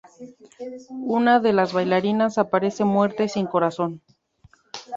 Una de las bailarinas aparece muerta y sin corazón.